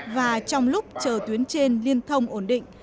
và trong lúc chờ tuyến trên liên thông ổn định